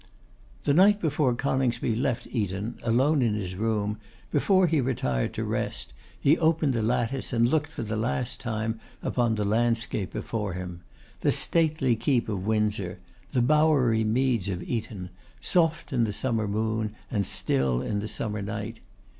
The night before Coningsby left Eton, alone in his room, before he retired to rest, he opened the lattice and looked for the last time upon the landscape before him; the stately keep of Windsor, the bowery meads of Eton, soft in the summer moon and still in the summer night.